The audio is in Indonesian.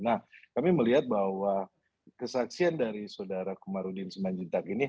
nah kami melihat bahwa kesaksian dari sodara kamarudin siman juntak ini